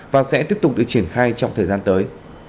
và sẽ tiếp tục được triển khai trong thời gian tới